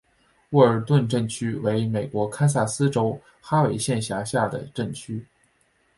沃尔顿镇区为美国堪萨斯州哈维县辖下的镇区。